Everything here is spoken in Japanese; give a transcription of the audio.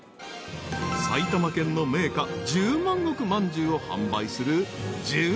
［埼玉県の銘菓十万石まんじゅうを販売する］